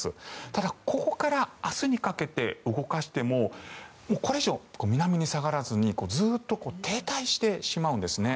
ただ、ここから明日にかけて動かしてもこれ以上南に下がらずにずっと停滞してしまうんですね。